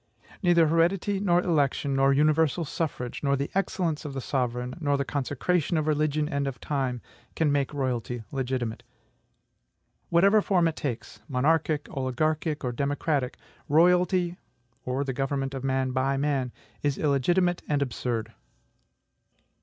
Neither heredity, nor election, nor universal suffrage, nor the excellence of the sovereign, nor the consecration of religion and of time, can make royalty legitimate. Whatever form it takes, monarchic, oligarchic, or democratic, royalty, or the government of man by man, is illegitimate and absurd.